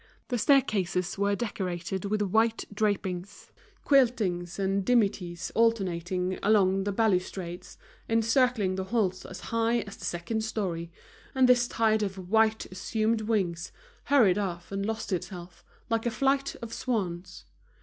The staircases were decorated with white drapings, quiltings and dimities alternating along the balustrades, encircling the halls as high as the second storey; and this tide of white assumed wings, hurried off and lost itself, like a flight of swans.